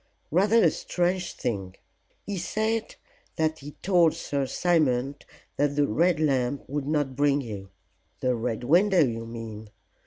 "Rather a strange thing. He said that he told Sir Simon that the Red Lamp would not bring you." "The Red Window, you mean.